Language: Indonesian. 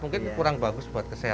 mungkin kurang bagus buat kesehatan